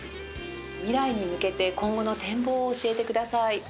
未来に向けて今後の展望を教えてください。